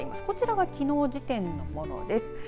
こちらはきのう時点のものです。